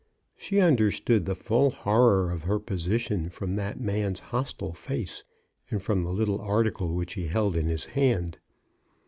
She under stood the full horror of her position from that man's hostile face, and from the little article which he held in his hand.